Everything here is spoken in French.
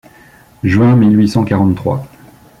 Juin mille huit cent quarante-trois.